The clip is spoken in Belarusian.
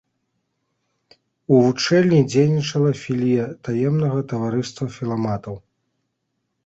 У вучэльні дзейнічала філія таемнага таварыства філаматаў.